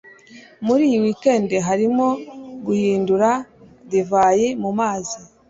Muri iyi weekend harimo guhindura divayi mu mazi.